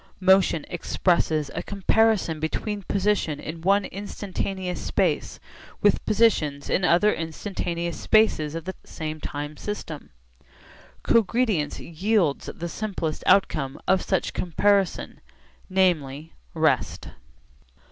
Motion expresses a comparison between position in one instantaneous space with positions in other instantaneous spaces of the same time system. Cogredience yields the simplest outcome of such comparison, namely, rest.